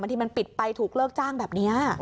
ที่มันปิดไปถูกเลิกจ้างแบบนี้